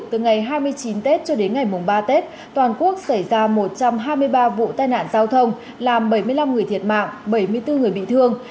từ ngày hai mươi chín tết cho đến ngày mùng ba tết toàn quốc xảy ra một trăm hai mươi ba vụ tai nạn giao thông làm bảy mươi năm người thiệt mạng bảy mươi bốn người bị thương